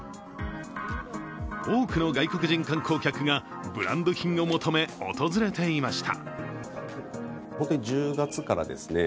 多くの外国人観光客がブランド品を求め、訪れていました。